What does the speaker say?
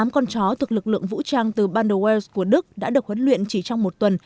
tám con chó thuộc lực lượng vũ trang từ bandul của đức đã được huấn luyện chỉ trong một tuần